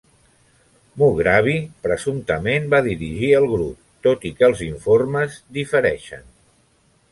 Mughrabi presumptament va dirigir el grup, tot i que els informes difereixen.